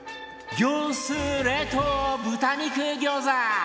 業スー冷凍豚肉餃子！